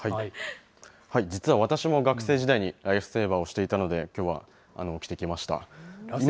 実は私も学生時代にライフセーバーをしていたので、きょうは着てきました。